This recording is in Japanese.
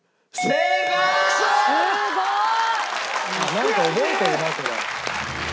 「なんか覚えてるなこれ」